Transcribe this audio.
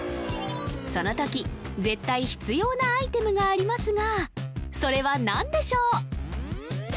そのとき絶対必要なアイテムがありますがそれは何でしょう？